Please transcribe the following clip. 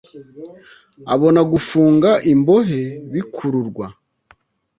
abona gufunga imbohe bikururwa